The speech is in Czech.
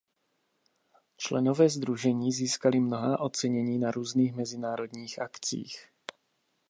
Členové sdružení získali mnohá ocenění na různých mezinárodních akcích.